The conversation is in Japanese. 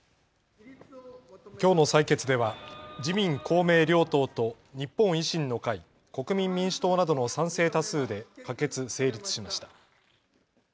きょうの採決では自民公明両党と日本維新の会、国民民主党などの賛成多数で可決・成立しました。